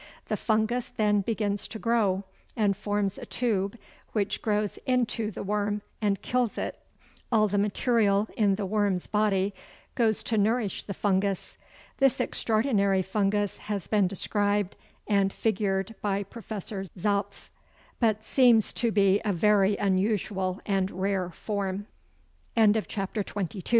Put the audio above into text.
The fungus then begins to grow, and forms a tube which grows into the worm and kills it. All the material in the worm's body goes to nourish the fungus. This extraordinary fungus has been described and figured by Professor Zopf, but seems to be a very unusual and rare form. CHAPTER XXIII THE PERIL O